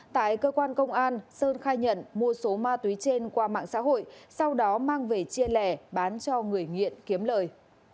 tại cơ quan công an sơn khai nhận mua số ma túy trên qua mạng xã hội sau đó mang về chia lè bán cho người nghiện kiếm lời